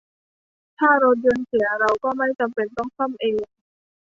ถ้ารถยนต์เสีย เราก็ไม่จำเป็นต้องซ่อมเอง